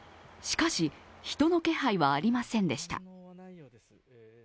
しかし、人の気配はありませんでした。